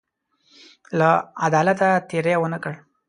له عدالته تېری ونه کړ.